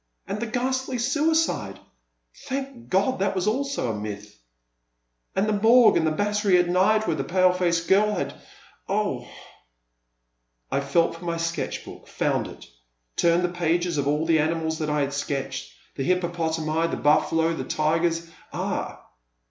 And the ghastly stiidde ! Thank God that also was a myth, — and the Morgue and the Battery at night where that pale faced girl had —ugh ! I felt for my sketch block, found it; turned the pages of all the animals that I had sketched, the hippopotami, the bufficdo, the tigers — ah